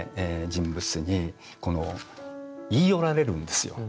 人物に言い寄られるんですよ。